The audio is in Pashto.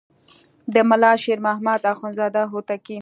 د ملا شیر محمد اخوندزاده هوتکی.